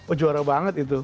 oh juara banget itu